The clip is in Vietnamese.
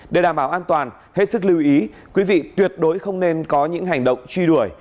để đảm bảo an toàn hết sức lưu ý quý vị tuyệt đối không nên có những hành động truy đuổi